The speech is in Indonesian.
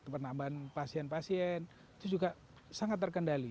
penambahan pasien pasien itu juga sangat terkendali